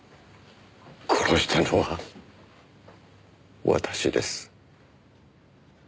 殺したのは私です。